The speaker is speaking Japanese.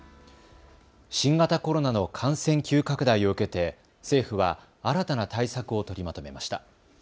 新型コロナの感染急拡大を受けて政府は新たな対策を取りまとめました。